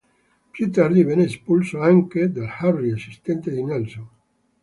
Più tardi venne espulso anche Del Harris, assistente di Nelson.